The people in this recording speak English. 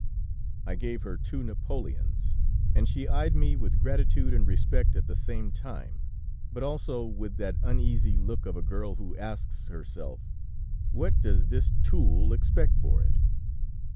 "I gave her two napoleons, and she eyed me with gratitude and respect at the same time, but also with that uneasy look of a girl who asks herself: 'What does this tool expect for it?'